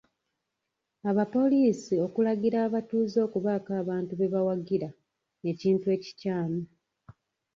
Abapoliisi okulagira abatuuze okubaako abantu be bawagira, ekintu ekikyamu.